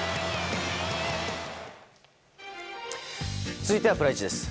続いてはプライチです。